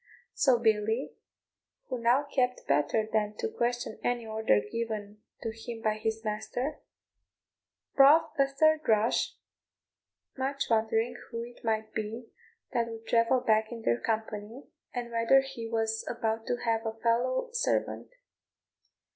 So Billy, who now knew better than to question any order given to him by his master, brought a third rush, much wondering who it might be that would travel back in their company, and whether he was about to have a fellow servant.